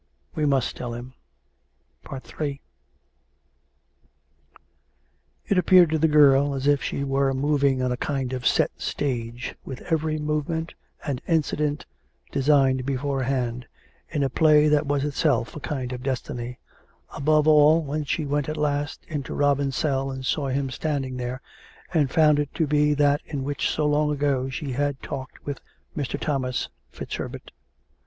..." We must tell him." Ill It appeared to the girl as if she were moving on a kind of set stage, with every movement and incident designed Jje forehand, in a play that was itself a kind of destiny — above all, when she went at last into Robin's cell and saw liim standing there, and found it to be that in which so long ago she had talked with Mr. Thomas FitzHerbert.